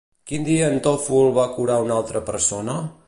Quin dia en Tòful va curar una altra persona?